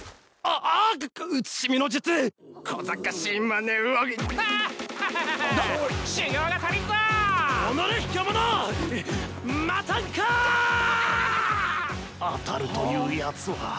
あたるというやつは。